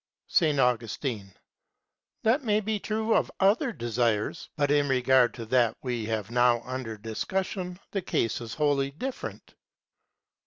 S. Augustine. That may be true of other desires, but in regard to that we have now under discussion the case is wholly different.